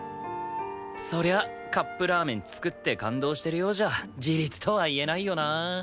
そりゃカップラーメン作って感動してるようじゃ自立とは言えないよなあ。